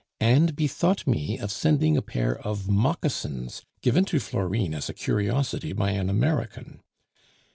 and bethought me of sending a pair of moccasins given to Florine as a curiosity by an American.